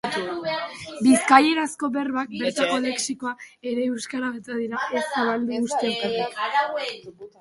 Bizkaierazko berbak, bertako lexikoa, ere euskara batua dira, ez zabaldu uste okerrik.